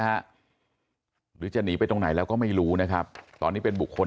หรือจะหนีไปตรงไหนแล้วก็ไม่รู้นะครับตอนนี้เป็นบุคคล